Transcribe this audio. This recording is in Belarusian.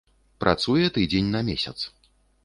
Працуе тыдзень на месяц.